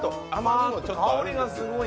香りがすごい。